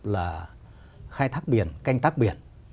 là khai thác biển canh tác biển